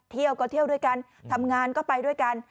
เที่ยวก็เที่ยวด้วยกันทำงานก็ไปด้วยกัน